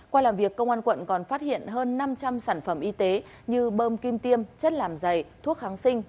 qua làm việc công an quận còn phát hiện hơn năm trăm linh sản phẩm y tế như bơm kim tiêm chất làm dày thuốc kháng sinh